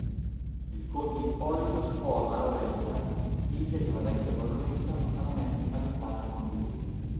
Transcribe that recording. Il conte Ippolito sposa Aurelia, figlia di una vecchia baronessa lontanamente imparentata con lui.